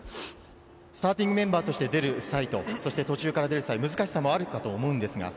スターティングメンバーとして出る際と途中から出る際、難しさがあると思います。